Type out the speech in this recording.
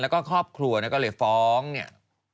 และก็ครอบครัวพ้องเนี่ย